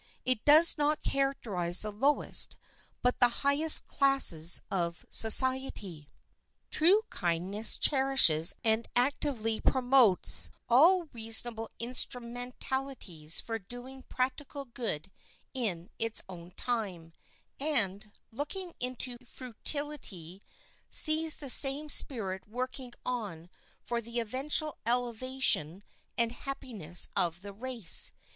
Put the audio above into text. It does not characterize the lowest, but the highest classes of society. True kindness cherishes and actively promotes all reasonable instrumentalities for doing practical good in its own time, and, looking into futurity, sees the same spirit working on for the eventual elevation and happiness of the race.